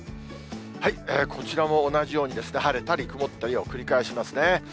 こちらも同じように、晴れたり曇ったりを繰り返しますね。